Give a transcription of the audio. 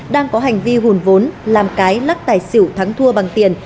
đang có hành vi hùn vốn làm cái lắc tài xỉu thắng thua bằng tiền